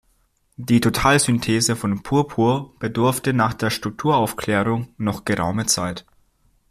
Die Totalsynthese von Purpur bedurfte nach der Strukturaufklärung noch geraume Zeit.